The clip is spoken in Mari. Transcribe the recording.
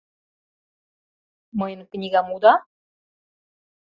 — Мыйын книгам уда?